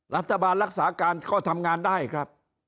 รัฐบาลรักษาการก็ทำงานได้ครับ